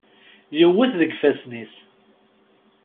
Yewwet deg yifassen-is.